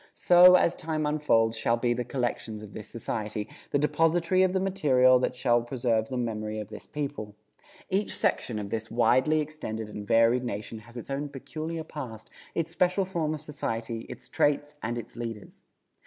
So, as time unfolds, shall be the collections of this Society, the depository of the material that shall preserve the memory of this people. Each section of this widely extended and varied nation has its own peculiar past, its special form of society, its traits and its leaders.